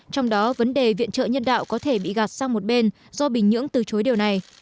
trong đó vấn đề viện trợ nhân đạo có thể bị gạt sang một bên do bình nhưỡng từ chối điều này